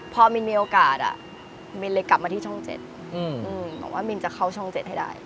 พอมินมีโอกาสอ่ะมินเลยกลับมาที่ช่องเจ็ดอืมอืมบอกว่ามินจะเข้าช่องเจ็ดให้ได้